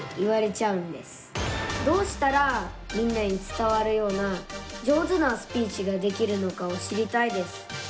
どうしたらみんなに伝わるような上手なスピーチができるのかを知りたいです。